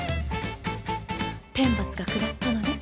天罰が下ったのね。